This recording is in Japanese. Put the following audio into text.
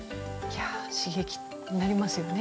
刺激になりますよね。